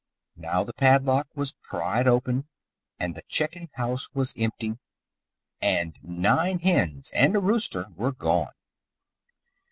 Now the padlock was pried open, and the chicken house was empty, and nine hens and a rooster were gone.